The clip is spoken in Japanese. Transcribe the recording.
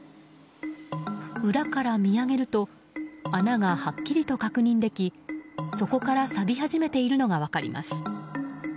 裏から見上げると穴がはっきりと確認できそこからさび始めているのが分かります。